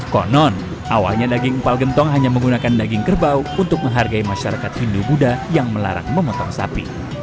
konon awalnya daging empal gentong hanya menggunakan daging kerbau untuk menghargai masyarakat hindu buddha yang melarang memotong sapi